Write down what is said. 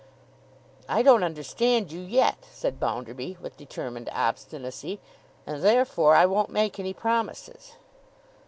'I don't understand you, yet,' said Bounderby, with determined obstinacy, 'and therefore I won't make any promises.